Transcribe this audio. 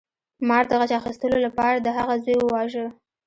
مار د غچ اخیستلو لپاره د هغه زوی وواژه.